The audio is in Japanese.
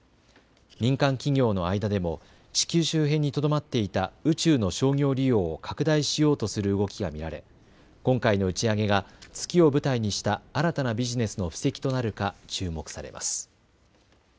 民間企業の間でも地球周辺にとどまっていた宇宙の商業利用を拡大しようとする動きが見られ今回の打ち上げが月を舞台にした新たなビジネスの布石となるか注目されます。